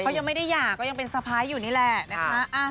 เขายังไม่ได้หย่าก็ยังเป็นสะพ้ายอยู่นี่แหละนะคะ